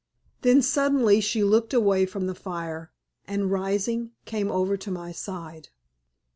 Then suddenly she looked away from the fire, and, rising, came over to my side.